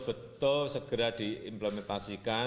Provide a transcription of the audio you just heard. betul betul segera diimplementasikan